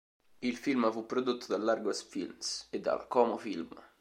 Il film fu prodotto dall'Argos Films e dalla Como Film.